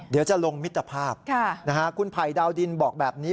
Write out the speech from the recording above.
เดี๋ยวจะลงมิตรภาพคุณไผ่ดาวดินบอกแบบนี้